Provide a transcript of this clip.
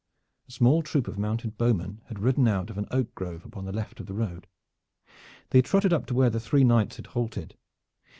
A small troop of mounted bowmen had ridden out of an oak grove upon the left of the road. They trotted up to where the three knights had halted.